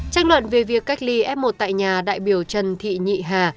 tranh luận về việc cách ly f một tại nhà đại biểu trần thị nhị hà